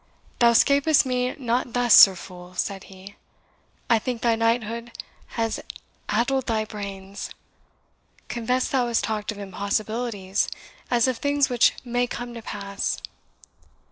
"Thou 'scapest me not thus, Sir Fool," said he; "I think thy knighthood has addled thy brains. Confess thou hast talked of impossibilities as of things which may come to pass."